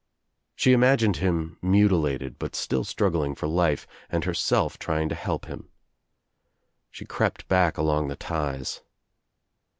She imagined him mutilated but still struggling for life and herself trying to help him. She crept back along the ties.